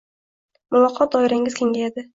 Muloqot doirangiz kengayadi